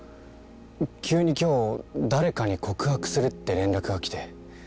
急に今日誰かに告白するって連絡が来て。